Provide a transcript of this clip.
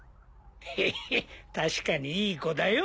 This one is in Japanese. ヘヘ確かにいい子だよ